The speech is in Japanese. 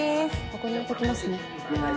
ここに置いときますね。